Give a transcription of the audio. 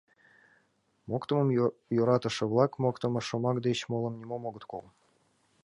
Моктымым йӧратыше-влак моктымо шомак деч молым нимом огыт кол.